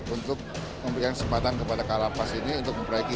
untuk memberikan kesempatan kepada kalapas ini untuk memperbaiki